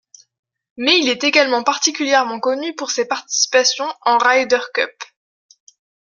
Mais il est également particulièrement connu pour ses participations en Ryder Cup.